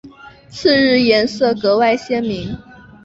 次日颜色格外鲜明。